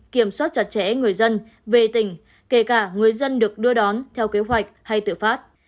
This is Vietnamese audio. kiểm soát chặt chẽ người dân về tỉnh kể cả người dân được đưa đón theo kế hoạch hay tự phát